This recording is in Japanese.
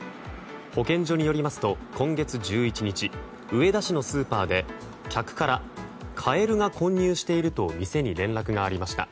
保健所によりますと今月１１日上田市のスーパーで、客からカエルが混入していると店に連絡がありました。